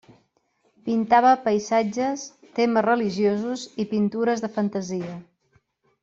Pintava paisatges, temes religiosos i pintures de fantasia.